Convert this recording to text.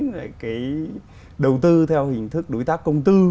lại cái đầu tư theo hình thức đối tác công tư